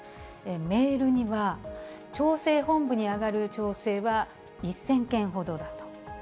メールには、調整本部に上がる調整は１０００件ほどだと。